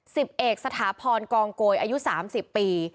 สิบเอกสถาพรกองโกยอายุ๓๐ปี